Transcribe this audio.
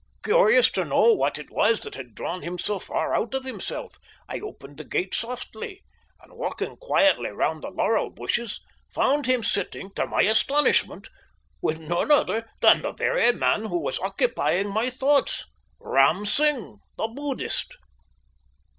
Curious to know what it was that had drawn him so far out of himself, I opened the gate softly, and walking quietly round the laurel bushes, found him sitting, to my astonishment, with none other than the very man who was occupying my thoughts, Ram Singh, the Buddhist.